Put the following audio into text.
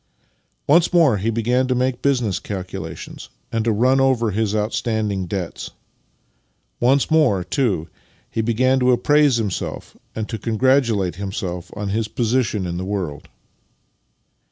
Once more he began to make business calculations and to run over his outstanding debts. Once more, too, he began to appraise himself and to congratulate himself on his position in the world.